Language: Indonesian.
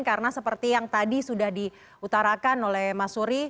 karena seperti yang tadi sudah diutarakan oleh mas suri